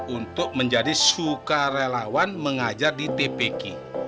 untuk menjadi sukarelawan mengajar di tpk